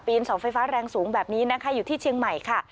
เสาไฟฟ้าแรงสูงแบบนี้นะคะอยู่ที่เชียงใหม่ค่ะ